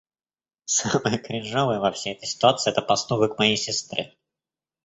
Самое кринжовое во всей этой ситуации, это поступок моей сестры.